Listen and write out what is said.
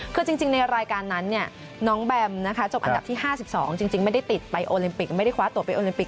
คือจริงในรายการนั้นน้องแบมนะคะจบอันดับที่๕๒จริงไม่ได้ติดไปโอลิมปิกไม่ได้คว้าตัวไปโอลิมปิ